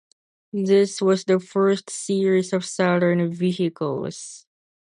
This was the first series of Saturn vehicles.